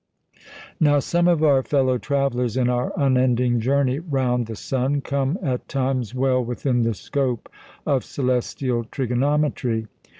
Now some of our fellow travellers in our unending journey round the sun, come at times well within the scope of celestial trigonometry.